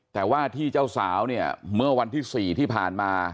แต่ว่าที่เจ้าสาวเนี่ยเมื่อวันที่๔ที่ผ่านมา